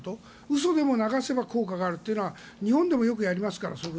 嘘でも流せば効果があるのは日本でもよくやりますから。